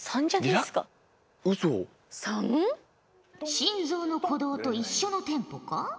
心臓の鼓動と一緒のテンポか？